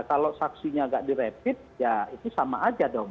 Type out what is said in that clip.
kalau saksinya tidak direpit ya itu sama saja dong